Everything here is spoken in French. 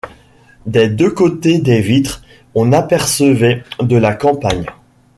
Des deux côtés des vitres on apercevait de la campagne.